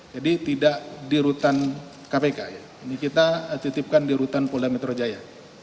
jadi tidak di rutan kpk ini kita titipkan di rutan polda metro jaya